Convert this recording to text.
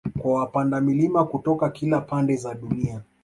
Kwa wapanda milima kutoka kila pande za dunia